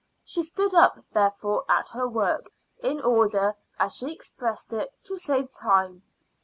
She stood up, therefore, at her work, in order, as she expressed it, to save time.